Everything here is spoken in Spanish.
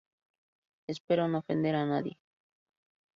Espero no ofender a nadie".